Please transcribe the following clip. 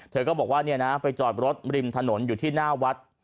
เธอก็บอกว่าไปจอดรถริมถนนอยู่ที่หน้าวัด